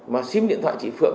mà sim điện thoại chị phượng